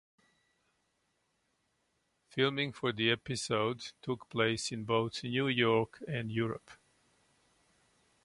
Filming for the episode took place in both New York and Europe.